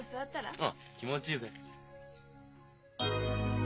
ああ気持ちいいぜ。